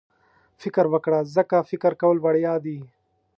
فکر وکړه ځکه فکر کول وړیا دي.